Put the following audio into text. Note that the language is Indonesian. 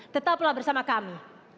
tetaplah bersama kami